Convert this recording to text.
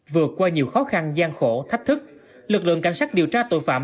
vượt qua nhiều khó khăn gian khổ thách thức lực lượng cảnh sát điều tra tội phạm